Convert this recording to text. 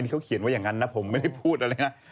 เขาเขียนไว้อย่างนั้นนะผมไม่ได้พูดอะไรนะ